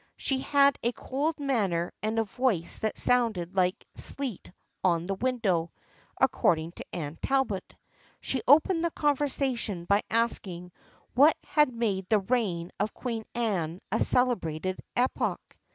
She had a cold manner and a voice that sounded like sleet on the window, according to Anne Talbot. She opened the conversation by asking what had made the reign of Queen Anne a celebrated epoch.